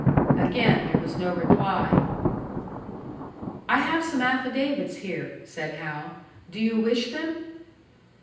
Again there was no reply. "I have some affidavits here," said Hal. "Do you wish them?"